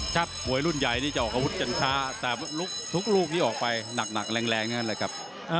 มวยรุ่นใหญ่นี่จะออกอาวุธกันช้าแต่ทุกลูกนี้ออกไปหนักแรงนั่นแหละครับ